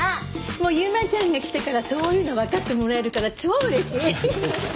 もう由真ちゃんが来てからそういうのわかってもらえるから超嬉しい。